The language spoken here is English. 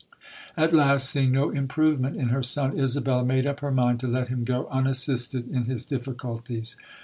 At last, seeing no improvement in her son, Isabella made up her mind to let him go un assisted in his difficulties.